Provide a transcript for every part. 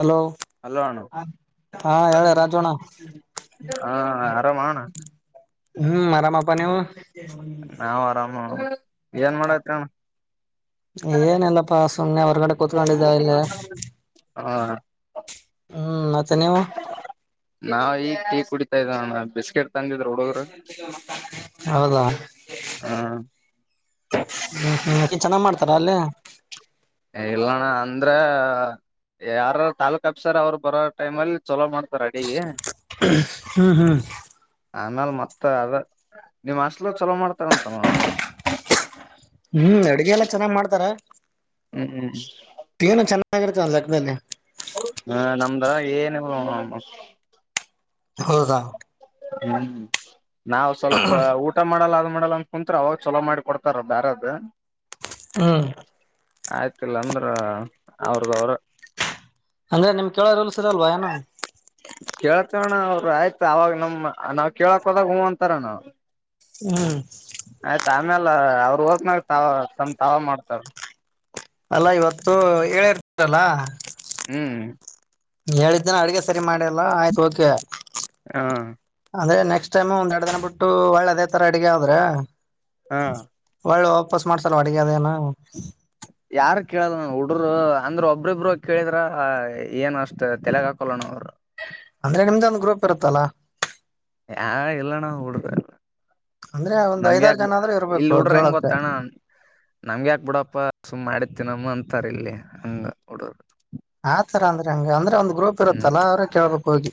Hello hello ಅಣ್ಣ ಹಾ ಹೇಳು ರಾಜು ಅಣ್ಣ ಹ ಆರಾಮ ಅಣ್ಣ ಹ್ಮ್ ಆರಾಮಪ್ಪ ನೀವು ನಾವ್ ಆರಾಮ ಏನ್ ಮಾಡತ್ಣ್ಣ ಏನಲ್ಲಪ್ಪಾ ಸುಮ್ಮ್ನೆ ಹೊರ್ಗಡೆ ಕುೂತ್ಕೊಂಡಿದ್ದ ಇಲ್ಲಿ ಹ ಹ್ಮ್ ಮತ್ತೆ ನೀವು ನಾವ ಈಗ ಟೀ ಕುಡಿತಾ ಇದಣ್ಣ ಬಿಸ್ಕೆಟ್ ತಂದಿದ್ರ ಹುಡುಗರು ಹೌದಾ ಹಾ ಹ್ಮ್ ಹ್ಮ್ಕನ್ ಚೆನ್ನಾಗ್ ಮಾಡ್ತಾರಾ ಅಲ್ಲಿೇ ಇಲ್ಲಣ್ಣ ಅಂದ್ರೆ ಯಾರ ತಾಲುಕ್ ಅಪ್ಸರ್ ಅವ್ರು ಬರೋ ಟೈಮ ಅಲ್ಲಿ ಚಲೋ ಮಾಡ್ತಾರೆ ಅಡಿಗೆ ಹ್ಮ್ ಹ್ಮ್ ಆಮೇಲ್ ಮತ್ತ ಅದ ನಿಮ್ಮ್ ಹಾಷ್ಟಲ್ಗ ಚಲೋ ಮಾಡ್ತಾರಂತಲ್ ಹ್ಮ್ ಅಡಗೆ ಎಲ್ಲಾ ಚೆನ್ನಾಗ್ ಮಾಡ್ತಾರ. ಹ್ಮ್ ಹ್ಮ್ ಇರ್ತದ ಒಂದ್ ಲೆಕ್ಕದಲ್ಲಿ. ಹಾ ನಮ್ದ ಏನಿಲ್ಲ ನೋಡ್ ಹೌದಾ. ಹ್ಮ್ ನಾವ್ ಸ್ವಲ್ಪ ಊಟ ಮಾಡಲ್ಲ ಅದನ್ ಮಾಡಲ್ಲ ಅಂತ ಕುಂತ್ರ ಅವಾಗ ಚಲೋ ಮಾಡಿ ಕೊಡ್ತಾರ ಬ್ಯಾರದ್. ಹ್ಮ್ ಆಯ್ತಿಲ್ಲ ಅಂದ್ರ ಅವ್ರದವ್ರ. ಅಂದ್ರೆ ನಿಮ್ ಕೇಳೋ ರೂಲ್ಸ್ ಇರಲ್ವಾ ಏನೂ. ಅಣ್ಣಾ ಅವರು ಆಯ್ತು ಆವಾಗ ನಮ್ ನಾವ್ ಕೇಳಕ್ ಹೋದಾಗ ಹೂ ಅಂತಾರ ಅಣ್ಣಾ ಅವರ್. ಹ್ಮ್ ಆಮೇಲ ಅವ್ರ ಹೋದಮ್ಯಾಲ್ ತಮ್ಮ ತಾವ ಮಾಡ್ತಾರ. ಅಲ್ಲಾ ಇವತ್ತು ಹೇಳಿರ್ತೀರಲ್ಲಾ ಹ್ಮ್ ಹೇಳಿದ್ದಿನ ಅಡ್ಗೆ ಸರಿ ಮಾಡಲ್ಲ ಆಯ್ತ ಓಕೆ. ಹಾ ಅದೇ ನೆಕ್ಸ್ಟ್ ಟೈಮ್ ಒಂದೆರಡ ದೀನ ಬಿಟ್ಟು ಹೊಳ್ಳೆ ಅದೇ ತರ ಅಡಗೆ ಆದ್ರ ಹ ಒಳ್ಳೆ ವಾಪಸ್ ಮಾಡ್ಸಲ್ ಅಡಗೆ ಅದೇನ. ಯಾರ ಕೇಳಲ್ಲ ಹುಡರು ಅಂದ್ರ ಒಬ್ಬ್ರಿಬ್ರು ಕೇಳಿದ್ರ ಏನ ಅಷ್ಟ ತೆಲೆಗ ಹಾಕೊಲ್ಲಣ ಅವರು. ಅಂದ್ರೆ ನಿಮ್ದೊಂದ ಗ್ರೂಪ್ ಇರ್ತುದ ಅಲಾ. ಹಾ ಇಲ್ಲ ನ ಹೂಡಬೇಕ ಅಂದ್ರೆ ಒಂದ್ ನಮ್ಗೆ ಐದಾರು ಯಾಕ್ ಜನ ಆದ್ರೂ ಇಲ್ಲಿ ಇರ್ಬೇಕು ಹೂಡ್ರ ಹೆಂಗ್ ಕೇಳಕ್ ಗೊತ್ತಣ ನಮ್ಗೆ ಯಾಕ್ ಬಿಡಪ್ಪ ಸುಮ್ ಮಾಡಿದ್ದ ತಿನಮ್ ಅಂತಾರ ಇಲ್ಲಿ ಹಂಗ ಹುಡುರು. ಆತರ ಅಂದ್ರ ಹೆಂಗ್ ಅಂದ್ರ ಒಂದ್ ಗ್ರೂಪ್ ಇರತ್ತಲ್ಲ ಅವ್ರ ಕೇಳ್ಬೇಕ್ ಹೋಗಿ.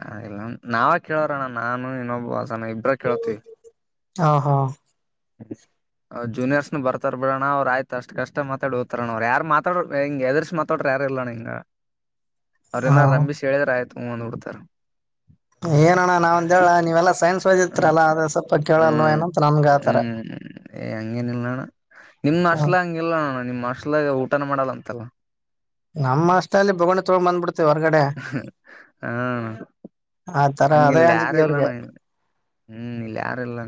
ಹ ಇಲ್ಲ ನಾವ ಕೇಳೋರಣ್ಣ ನಾನು ಇನ್ನೊಬ್ಬ ಅಸನ ಇಬ್ರ ಕೇಳತಿವಿ. ಹ ಹಾ ಜೂನಿಯರ್ಸ್ನು ಬರ್ತಾರ ಬಿಡಣ ಅವ್ರ ಆಯ್ತ ಅಷ್ಟ ಕಷ್ಟ ಮಾತಾಡಿ ಹೊತಾರಣ ಅವ್ರ ಯಾರ್ ಮಾತಡ್ರ ಹಿಂಗ್ ಹೆದರ್ಸ ಮಾತಡ್ರ ಇಲ್ಲಣ್ಣ ಇನ್ನ ಅವ್ರ ಏನ್ನ್ ಹ ರಂಬಿಸಿ ಹೇಳಿರ ಆಯ್ತ ಹೂಂ ಅಂದ ಬಿಡ್ತಾರ್. ಏನಣ್ಣ ನಾವ್ಂದ ಹೇಳ ನೀವೆಲ್ಲಾ ಸೈನ್ಸ್ ಹ್ಮ್ ಓದಿತ್ತರಲ್ಲ ಅದ ಸ್ವಲ್ಪ ಕೇಳಲ್ ಹ್ಮ್ ಏನಂತ ನಮ್ಗ ಆತರ ಹ್ಮ್ ಏ ಹಂಗೇನಿಲ್ಲಣ್ನ. ನಿಮ್ ಹ ಹಾಸ್ಟೆಲಾಗ್ ಹಂಗಿಲ್ಲಣ್ಣ ನಿಮ್ ಹಾಸ್ಟೆಲಾಗ್ ಊಟನ ಮಾಡಲ್ಲ ಅಂತಲ್ಲ. ನಮ್ಮ ಹಾಸ್ಟೆಲಿ ಬೋಗನಿ ತೊಗೊಂಡ ಬಂದ್ಬಿಡ್ತ ಹ್ಮ ಹಾ ಅಣ್ಣಾ ಆ ತರ ಹಂಗ್ ಅದೇ ಇಲ್ಲಿ ಅಂಜಿಕೆ ಅವ್ರಿಗೆ ಯಾರಿಲ್ಲಣ್ಣ. ಹ್ಮ್ ಇಲ್ಲಿ ಯಾರಿಲ್ಲ.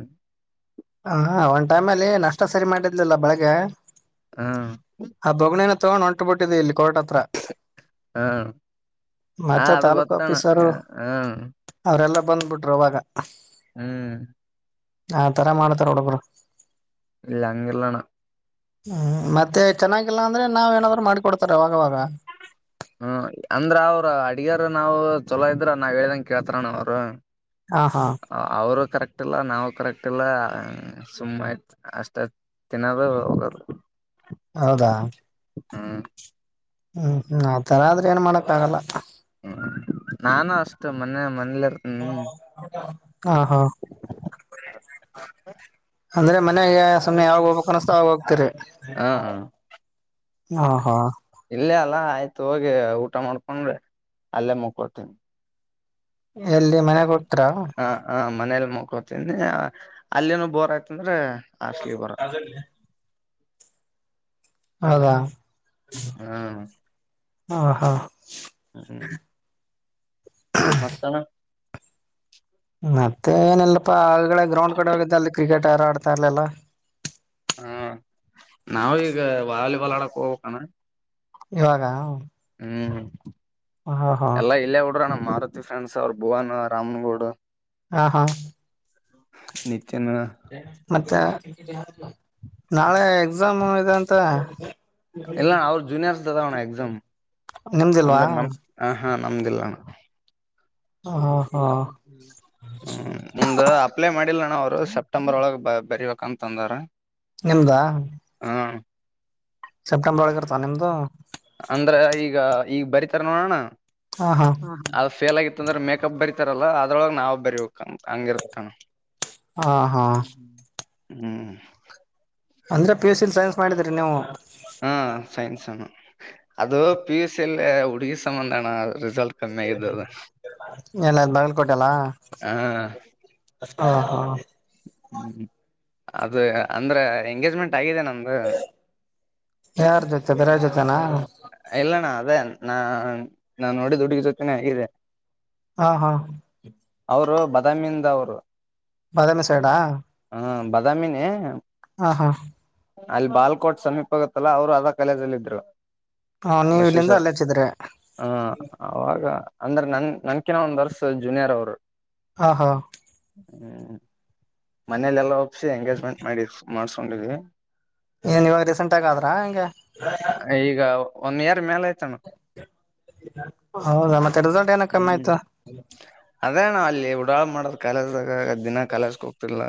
ಹ ಒಂದ್ ಟೈಮ್ ಅಲ್ಲಿ ನಾಷ್ಟ ಸರಿ ಮಾಡಿದ್ಲಿಲ್ಲ ಬೆಳಗ್ಗೆ. ಹಾ ತೊಂಡ್ ಹೊಂಟ ಬಿಟ್ಟಿದ್ದ ಇಲ್ಲಿ ಕೋರ್ಟ ಹತ್ರ. ಹ ಹ ಮತ್ತೆ ಅದು ತಾಲೂಕು ಗೊತ್ತಣ ಆಫೀಸರು ಹ ಅವ್ರೆಲ್ಲ ಬಂದ್ಬಿಟ್ರ ಅವಾಗ. ಹ್ಮ್ ಆತರ ಮಾಡ್ತಾರ ನೋಡ್ ಬ್ರೋ. ಇಲ್ಲ ಹಂಗಿಲ್ಲಣ್ಣ. ಹ್ಮ್ ಮತ್ತೆ ಚೆನ್ನಾಗಿಲ್ಲ ಅಂದ್ರೆ ನಾವ್ ಏನಾದ್ರು ಮಾಡಿಕೊಡ್ತಾರೆ ಅವಾಗವಾಗ. ಹ್ಮ ಅಂದ್ರ ಅವ್ರ ಅಡಗ್ಯಾರ ನಾವು ಚಲೋ ಇದ್ರ ನಾವ್ ಹೇಳ್ದಂಗ ಕೇಳ್ತಾರಣ ಅವ್ರ. ಹಾ ಅವರು ಕರೆಕ್ಟ್ ಇಲ್ಲ ನಾವು ಕರೆಕ್ಟ್ ಇಲ್ಲ ಸುಮ ಆಯ್ತ ಅಷ್ಟ ತಿನ್ನೋದ ಹೋಗದ. ಹೌದಾ ಹ್ಮ್ ಹ್ಮ್ ಆತರ ಆದ್ರ ಏನ್ ಮಾಡಕ್ ಆಗಲ್ಲ. ಹ್ಮ ನಾನು ಅಷ್ಟೇ ಮನೆ ಮ ಹ ಹಾ ಅಂದ್ರೆ ಮನೆಗೆ ಸುಮ್ಮ್ನೆ ಯಾವ ಹೋಗ್ಬೇಕಕ್ ಕನಿಸ್ತಾ ಆ ಹೋಗ್ತರಿ ಹ ಇಲ್ಲೇ ಅಲ್ಲ ಆಯ್ತ ಹೋಗಿ ಊಟ ಮಾಡ್ಕೊಂಡ್ರೆ ಅಲ್ಲೇ ಮುಕ್ಕೊಡ್ತೀನಿ ಎಲ್ಲಿ ಮನೆಗ್ ಹೋಗ್ತೀರಾ ಹ ಹ ಮನೇಲಿ ಮುಕೋತನಿ ಅಲ್ಲಿನ ಬೋರ್ ಆಯ್ತಂದ್ರೆ ಹ ಹಾಸ್ಟೆಲಿಗೆ ಬರೋದು ತಾಜ ಹೌದಾ ಹಾ ಹ ಹಾ ಮತ್ತಣ ಮತ್ತೆ ಏನಲ್ಲಪ್ಪಾ ಆಗಡೆ ಗ್ರೌಂಡ್ ಕಡೆ ಅಲ್ಲಿ ಕ್ರಿಕೆಟ್ ಯಾರ ಆಡ್ತಾ ಇರ್ಲಲ್ಲ ಹಾ ನಾವ ಈಗ ವಾಲಿಬಾಲ್ ಆಡಕ್ ಹೋಗ್ಣ್ಣ ಇವಾಗ ಹ್ಮ್ ಹ್ಮ್ ಹಾ ಹಾ ಎಲ್ಲ ಇಲ್ಲ ಡರಣ ಮಾರುತಿ ಫ್ರೆಂಡ್ಸ್ ಅವರು ಭುವವಾನ ರಾಮನಗೌಡ್ ಹಾ ಹಾ ನಿತಿನ್ ಮತ್ತೆ ನಾಳೆ ಎಕ್ಸಾಮ್ ಇದೆ ಅಂತ ಇಲ್ಲಣ ಅವರು ಜೂನಿಯರ್ಸ್ದಾವಣ್ಣ ಎಕ್ಸಾಮ್ ನಿಮ್ದಿಲ್ವಾ ಅಂದ್ರೆ ನಮ್ದ ಹಾ ನಮ್ದಿಲ್ಲಣ್ಣ ಹಾ ಹಾ ಹ್ಮ್ ಮುಮ್ದ ಅಪ್ಲೈ ಮಾಡಿಲ್ಲ ನ ಅವ್ರು ಸೆಪ್ಟೆಂಬರ್ ಒಳಗ್ ಬರಿಬೇಕ ಅಂತಂದ್ರ ನಿಮ್ದಾ ಸೆಪ್ಟೆಂಬರ್ ಒಳಗೆ ಇರ್ತಾ ನಿಮ್ದು ಅಂದ್ರ ಈಗ ಈಗ ಬರತಾರ ನೋಡೋಣ ಹಾ ಹಾ ಅ ಫೇಲ್ ಆಗಿ ಅಂದ್ರೆ ಮೇಕಪ್ ಬರಿತಾರಲ್ಲ ಅದ್ರೊಳ ನವು ಬರಿೀಬೇಕು ಹಂಗಿರ್ತಾನ ಹಾ ಹಾ ಹ್ಮ್ ಅಂದ್ರೆ ಪಿ ಯುಸ್ ಸಿ ಸೈನ್ಸ್ ಮಾಡಿದ್ರರಿ ನೀವು ಹ್ಮ ಸೈನ್ಸ ಅದು ಪಿಎುಸ್ಸಿಲ್ಲ ಉಡುಗ ಸಂಬಂಧಾನ ರಿಸಲ್ಟ್ ಕಮ್ಮಿ ಆಗಿದ್ದ ಅದು ಎಲ್ಲ ಬಲ್ಕೋಟೆಲ್ಲ ಹಾ ಹ ಹ ಹ್ಮ್ ಅದು ಅಂದ್ರೆ ಎಂಗೇಜ್ಮೆಂಟ್ ಗಿದೆ ನಮ್ದು ಣ ಇಲ್ಲಣ್ಣ ಅದೇ ನಾ ನಾ ನೋಡಿದ್ದು ಹುಡುಗಿ ಜೊತೆನೆ ಹಗಿದೆ ಹಾ ಹಾ ಅವರು ಬಾದಾಮಿಯಿಂದ ಅವರು ಬಾದಾಮಿ ಸೈಡಾ ಹಾ ಬಾದಾಮಿ ಹ ಹಾ ಹಾ ಅಲ್ಲಿ ಬಾಲ್ಕೋಟ್ ಸಮೀಪ ಆಗತ್ತಲ್ಲ ಅವ್ರು ಅದ ಕಾಲೇಜಲ್ಲಿ ಇದ್ರು ಹ ನೀವ್ ಇಲ್ಲಿಂದ ಬಸವೇಶ್ವರ ಅಲ್ಲೇ ಹಚ್ಚಿದ್ರಿ ಹಾ ಅವಾಗ ಅಂದ್ರೆ ನನ್ ನನ್ಕಿನ ಒಂದ್ರ್ಸ ಜೂನಿಯರ್ ಅವರು ಹ ಹಾ ಹ್ಮ ಮನೇಲೆಲ್ಲಾ ಒಪ್ಸಿ ಎಂಗೇಜ್ಮೆಂಟ್ ಮಾಡಿ ಮಾಡ್ಸ್ಕೊಂಡಿದ್ವಿ ಏನ್ ಇವಾಗ ರೀಸೆಂಟ್ ಆಗ ಆದ್ರ ಹೆಂಗೆ ಒಂದ ಇಯರ್ ಮೇಲೆ ಆಯ್ತಣ್ಣ ಹೌದಾ ಮತ್ತೆ ರಿಸಲ್ಟ್ ಏನ ಕಮ್ಮಿ ಹ್ಮ್ ಆಯ್ತಾ ಅದೇಣ ಅಲ್ಲಿ ಉಡಾಳ್ ಮಾಡದ ಕಲಸಾಗ ದಿನ ಕಲಸಕ್ ಹೋಗ್ತಿಲ್ಲ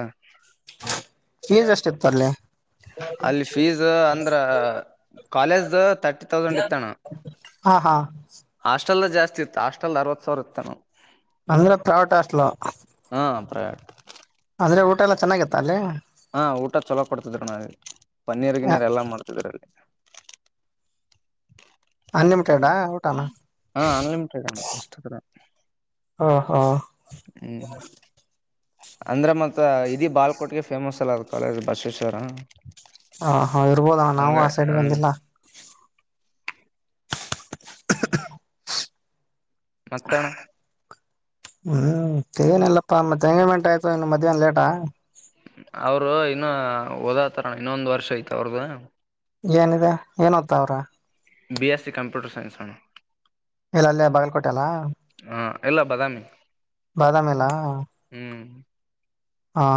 ಫೀಸ್ ಎಷ್ಟಿತ್ತು ಅಲ್ಲಿ ಅಲ್ಲಿ ಫೀಸ್ ಅಂದ್ರ ಕಾಲೇಜ ತರ್ಟಿ ಡ್ ಇತ್ತ ಹಾ ಹಾ ಹಾಸ್ಟೆಲ್ ಜಾಸ್ತಿ ಇತ್ತ ಹಾಸ್ಟೆಲ್ ಅರವತ್ ಸಾವಿರ ಇತ್ತಣ ಅಂದ್ರೆ ಪ್ರೈವೇಟ್ ಹಾಸ್ಟ್ಲ ಹಾ ಪ್ರೈವೇಟ್ ಅಂದ್ರೆ ಊಟ ಎಲ್ಲ ಚೆನ್ನಾಗಿತ್ತ ಅಲ್ಲಿ ಹಾ ಊಟ ಚಲೋ ಕೊಡ್ತಿದರು ನಾವಲ್ಲಿ ಪನ್ನೀರ್ ಗಿನೀರ್ ಎಲ್ಲಾ ಮಾಡ್ತಿದ್ರ ಅಲ್ಲಿ ಅನ್ಲಿಮಿಟೆಡಾ ಊಟನ ಹಾ ಅನ್ಲಿಮಟೆಡ್ ಇಷ್ಟಪ ಹ ಹಾ ಹ್ಮ್ ಅಂದ್ರೆ ಮತ್ ಇದಿ ಬಾಲ್ಕೋಟ್ಗೆ ಫೇಮಸ್ ಅಲ್ಲ ಅದ ಕಾಲೇಜ್ ಬಸವೇಶ್ವರ ಹ ಹಾ ಇರ್ಬೋದ ನಾವು ಹಂಗ ಆ ಸೈಡ್ ಹ್ಮ ಬಂದಿಲ್ಲ ಮತ್ತಣ ಹ್ಮ್ ಏನಲ್ಲಪ್ಪಾ ಮತ್ತ ತಂಗೈಮೆಂಟ್ ಆಯ್ತು ಇನ್ನು ಮಧ್ಯಾಹ್ನ ಲೇಟಾ ಅವರು ಇನ್ನು ಓದಾತಾರಣ ಇನ್ನೊಂದ್ ವರ್ಷ ಐ್ತ ಅವ್ರ್ದ ಏನಿದ ಏನ್ ಹೊತ್ತಾವ್ರ B S C computer science ಹಣ್ಣ ಇಲ್ಲ ಅಲ್ಲಿ ಬಗಲ್ ಕೊಟೆಲ್ಲ ಹಾ ಎಲ್ಲ ಬಾದಾಮಿ ಬಾದಾಮಿಲ್ಲ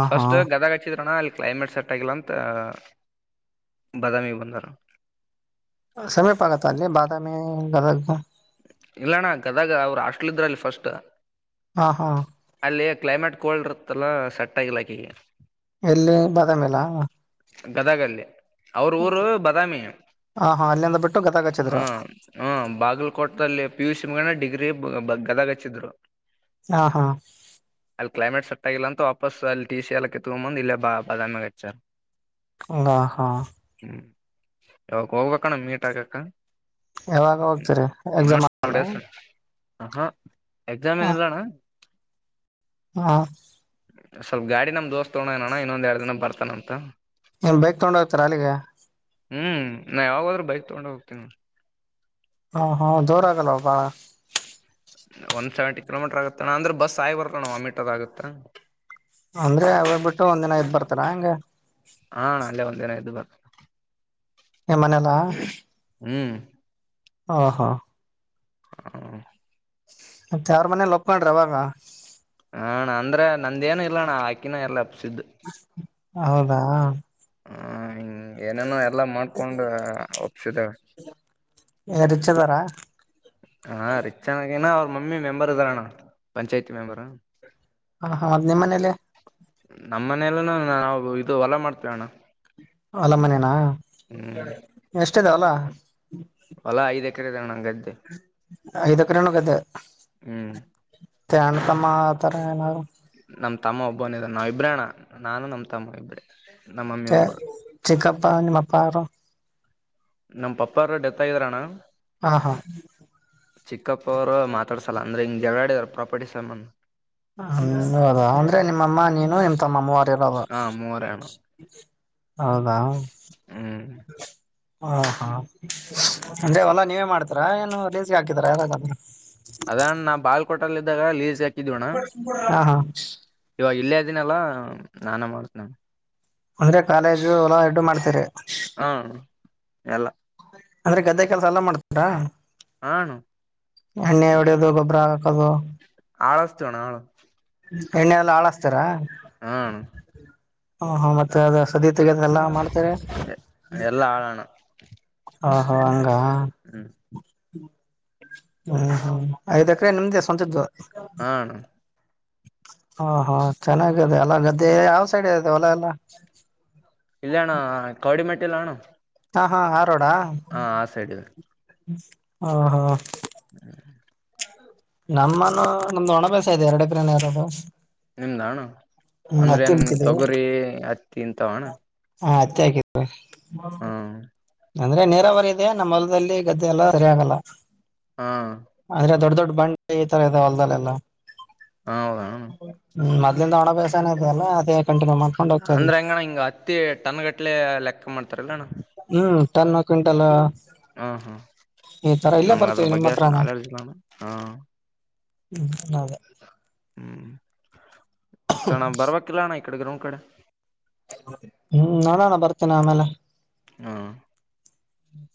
ಫರ್ಸ್ಟ್ ಗದ ಕಚಿದ್ರೋಣ ಕ್ಲೈಮೇಟ್ ಸೆಟ್ ಆಗಿಲ್ಲ ಅಂತ ಬಾದಾಮಿಗೆ ಬಂದರು ಸಮೀಪ ಆಗತ್ತ ಅಲ್ಲಿ ಬಾದಾಮಿ ಗದಗ್ ಇಲ್ಲಣ್ಣ ಗದಾಗ ಅವರು ಅಷ್ಟಟ್ಲ್ ಇದ್ರಲ್ಲಿ ಫಸ್ಟ್ ಹಾ ಹಾ ಅಲ್ಲಿ ಕ್ಲೈಮೇಟ್ ಕೋಲ್ಡ್ ಇರುತ್ತಲ್ಲ ಸೆಟ್ ಆಗಲಾಕ ಎಲ್ಲಿ ಬಾದಾಮಲ ಗದಗಲ್ಲಿ ಅವ್ರ ಊರು ಬದಾಮಿ ಹಾ ಹಾ ಅಲ್ಲಿಂದ ಬಿಟ್ಟು ಗದಗ್ ಹ ಹಚ್ಚಿದ್ರು ಹ್ಮ ಬಾಗಲ್ ಲ್ಲಿ ಪಿ ಯು ಸಿ ಮನ ಡಿಗ್ರಿ ಗದಗ್ ಹಚ್ಚಿದ್ರು ಹಾ ಹಾ ತಗಲ ಅಂತೂ ವಾಪಸ್ ಅಲ್ಲಿಟೀಸ ಎಲಕ್ಕೆ ತಗೊಂಬಂದು ಇಲ್ಲೇ ಬ ಬಾದಾಮಿ ಹಚ್ಚರ್ ಹಾ ಹಾ ಯ ಹೋಗಕ್ಕಣ ಮೀಟಾಾಗಕ್ಕ ಯಾವಾಗ ಹೋಗ್ತರಿ ಎಕ್ಸಾಮ್ ಆಲ್ಲ ಹ ಹಾ ಎಕ್ಸಾಮ್ ಏನಲ್ಲಣ್ಣ ಹಾ ಸ್ವಲ್ಪ ಗಾಡಿ ನಮ್ ದೋಸ್ತ್ ತಗೋನಣ್ಣ ಇನ್ನೊಂದ ಎರಡು ದಿನ ಬರ್ತಾನ ಅಂತ ನೀನ್ ಬೈಕ್ ತಗೊಂಡ ಹೋಗ್ತಾರಾ ಅಲ್ಲಿಗೆ ಹ್ಮ್ ನಾ ಯಾವಾಗಾದ್ರೂ ಬೈಕ್ ತಗೊಂಡ ಹೋಗ್ತೇನ ಹ ಹಾ ಜೋರ ಆಗಲ್ವ ಬಾಳ ಒನ್ ಸೆವೆಂಟಿ ಕಿಲೋಮೀಟರ್ ಆಗತ್ತಣ ಅಂದ್ರೆ ಬಸ್ ಆಗಿ ಬರಲ್ಲಣ ಆ ಮೀಟರ್ ಆಗುತ್ತಾ ಅಂದ್ರೆ ಹೋಗ್ಬಿಟ್ಟು ಒಂದ್ಿನ ಇದದ್ ಬರ್ತಾರಾ ಹಂಗ ಹಾ ಅಲ್ಲೇ ಒಂದಿನ ಎ್ದು ಬರ್ತ ಮನೆಯಲ್ಲಾ ಹ್ಮ್ ಹಾ ಹಾ ಹ್ಮ ಮತ್ತೆ ಯ್ರ ಮನೇಲಿ ಒಪ್ಕೊಂಡ್ರಿ ಅವಾಗ ಹ ಅಂದ್ರೆ ನಂದೇನು ಇಲ್ಲಣ್ಣ ಆಾಕಿನ ಎಲ್ಲ ಅಪ್ಸಿದ್ದು ಹೌದಾ ಹ ಹಿಂಗ ಏನೇನೋ ಎಲ್ಲಾ ಮಾಡ್ಕೊಂಡು ಒಪ್ಸಿದೇವೆ ರಿಚ್ ಅದಾರ ಹಾ ರಿಚ್ ಚೆನ್ನಾಗಿೇನ ಅವ್ರ ಮಮ್ಮಿ ಮೆಂಬರ್ ಇದಾರಣ್ಣ ಪಂಚಾಯ್ತಿ ಮೆಂಬರ್ ಹ ಹ ಮದ್ ನಿಮ್ಮ ಮನೇಲ್ಲ ನಮ್ಮ್ನೆಯಲ್ಲ ನಾವು ಇದು ಹೊಲ ಮಾಡ್ತೇವ ಅಣ್ಣ ಅಲ ಮನೇನಾ ಹ್ಮ್ ಎಷ್ಟ ಇದಲ್ಲ ಅಲ್ಲಾ ಐದ್ ಎಕರೆ ಇದಾವಣಂಗದ್ದೆ ಐದಕರೆಣೋಗ್ದ ಹ್ಮ್ ತಂಡ ತಮ್ಮ ಆ ತರ ಏನಾರು ನಮ ತಮ್ಮ ಒಬ್ಬನ ನಾವ ಇಬ್ರೇಣ್ಣ ನಾನು ನಮ್ ತಮ್ಮ ಇಬ್ರೇ ನಮ್ಮ ಮಮ್ಮಿ ಒಬ್ರು ಚಕ್ಕಪ್ಪಾ ಮಾಪ್ಪಾರೋ ನಮ್ ಪಪ್ಪ ಅವರು ಡೆತ್ ಆಗಿದರಣ್ಣ ಹಾ ಹಾ ಚಿಕ್ಕಪ್ಪ ಅವರು ಮಾತಾಡ್ಸಲ್ಲ ಅಂದ್ರೆ ಹಿಂಗಗೆರಡಾಡಿದಾರ ಪ್ರಾಪರ್ಟಿ ಸಾಮಾನ್ ಹದ ಅಂದ್ರೆ ನಿಮ್ಮಮ್ಮ ನೀನು ನಿಮ್ಮ ತಮ್ಮಮ್ಮ ಹಾ ಮೂವರೇ ಅಣ್ಣ ಹೌದಾ ಹ್ಮ್ ಹಾ ಹಾ ಅಂದೆ ಹೊಲ್ಲಾ ನೀವೇ ಮಾಡ್ತೀರಾ ಏನು ಲೇಸಿ ಹಾಕಿದರಾ ಯಾರ್ರ ಅದಣ್ ನಾ ಬಾಲ್ ಕೊಟ್ಟಲ್ಲಿದ್ದಾಗ ಲೀಸ್ ಯಾಕ ಹಾ ಹಾ ಇದಿನಲ್ಲಾ ನಾನ ಮಾಡ್ತನ ಅಂದ್ರೆ ಕಾಲೇಜು ಹೊಲ ಎಡ್ಡು ಮಾಡ್ತರಿ ಹ್ಮ ಎಲ್ಲ ಅಂದ್ರೆ ಗದ್ದೆ ಕೆಲಸ ಎಲ್ಲ ಮಾಡ್ತಾರಾ ಹನುು ಅಣ್ಣ ಎವಡದು ಗೊಬ್ಬರ ಹಕದು ಹಾಳಸ್ತವಣ ಆಾಳ ಎಣ್ಣೆ ಎಲ್ಲ ಹಳಸ್ತೀಾರಾ ಹಾ ಹ ಹಾ ಮತ್ತೆ ಅದ ಸದೀತೆೆಗೆದೆ ಎಲ್ಲ ಮಾಡ್ತಾರೆ ಎಲ್ಲಾ ಆಳಣ ಹಹೋ ಹಂಗ ಹ್ಮ್ ಹ್ಮ್ ಹ್ಮ್ ಐದಕ್ರ ನಿಮ್ದೇ ಸ್ವಂತದ ಹಣ ಹಾ ಹಾ ಚೆನ್ನಾಗಿದೆ ಎಲ್ಲ ಗದ್ದೆ ಯಾವ್ ಸೈಡ್ ಇತೆ ಹೊಲ್ಲ ಎಲ್ಲ ಇಲ್ಲ ಅಣ್ಣ ಕೌಡಿ ಮೆಟ್ಟಿ ಇಲ್ಲ ಅಣ ಹಾ ಹಾ ಆಾರೋಡ ಇದೆ ಹಾ ಹಾ ಹ್ಮ್ ನಮ್ಮನು ನಮ್ದು ಒಣ ಬಸ ಇದೆ ಎರಡ ಪ್ರರಿನ ಯಾರಬ್ ನಿಮ್ದ ಅಣ ಅಂದ್ರೆ ಏನ್ ಬಿತ್ತಿದೀವಿ ತೊಗರಿ ಹತ್ತಿ ಇಂತ ಅಣ್ಣ ಹಾ ಅತ್ತೆ ಹಕಿದ್ದ ಅಂದ್ರೆ ನ ನೀರಾವರಿ ಇದೆ ನಮ್ಮ ಹೊಲದಲ್ಲಿ ಗದ್ದೆ ಎಲ್ಲ ಸರಿ ಆಗಲ್ಲ ಹಾ ಆದ್ರೆ ದೊಡ್ಡ ದೊಡ್ಡ ಬಂಡೆ ಈ ತರ ಇದ ಹೊಲ್ದಲ್ಲೆಲ್ಲ ಹಾ ಹೌದಾ ಹ್ಮ ಮದ್ಲ ಒಣ ಬಯಸನಐ ಅಲ್ಲ ಅ ಅಂದ್ರ ಅಂಗಣ ಹಿಂಗ ಹತ್ತಿ ಟನ್ಗಟ್ಲೆ ಲೆಕ್ಕ ಮಾಡ್ತಾರಲ್ಲಣ್ಣ ಹ್ಮ್ ತರ್ನ್ನ ಕ್ವಿಂಟಲ್ ಹ್ಮ ಹ್ಮ ಈ ತರ ಇಲ್ಲೇ ನಮ್ಗ ಅದ್ರ ಬರ್ತೀವಿ ನಿಮ್ಮ್ ಬಗ್ಗೆ ಅಷ್ಟು ನಾಲೆಡ್ಜ್ ಇಲ್ಲಾನ ಹಾ ಹ್ಮ್ದೇ ಹ್ಮ ಮತ್ತಣ ಬರವಾಗಿಕ್ಕಿಲ್ಲಣ ಇ ಕಡೆ ಗ್ರೌ್ ಕಡೆ ಹ್ಮ್ ನೋಡೋಣ ಬರ್ತೇನ ಆಮೇಲೆ ಹಾ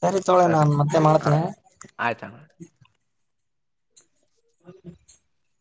ಸರಿ ತೊಳೆ ನಾನ್ ಮತ್ತೆ ಮಾಡ್ತೇನೆ ಆಯ್ತಣ್ಣ ಹ